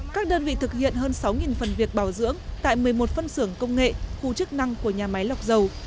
các đơn vị thực hiện hơn sáu phần việc bảo dưỡng tại một mươi một phân xưởng công nghệ khu chức năng của nhà máy lọc dầu